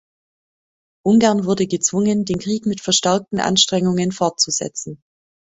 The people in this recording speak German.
Ungarn wurde gezwungen, den Krieg mit verstärkten Anstrengungen fortzusetzen.